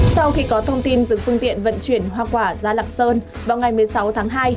sau khi có thông tin dừng phương tiện vận chuyển hoa quả ra lạng sơn vào ngày một mươi sáu tháng hai